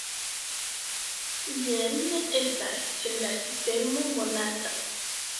Jen estas la sistemo monata.